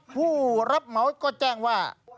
ผู้รับเหมาก็แจ้งว่า